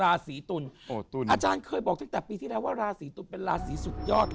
อาจารย์เคยบอกตั้งแต่ว่าราศิตุลราศีสุดยอด